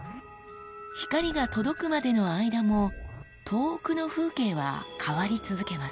光が届くまでの間も遠くの風景は変わり続けます。